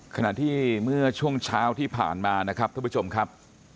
ขณะที่เมื่อช่วงเช้าที่ผ่านมานะครับท่านผู้ชมครับ